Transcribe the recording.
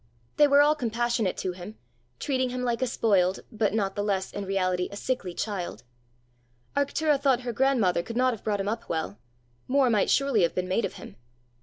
They were all compassionate to him, treating him like a spoiled, but not the less in reality a sickly child. Arctura thought her grandmother could not have brought him up well; more might surely have been made of him.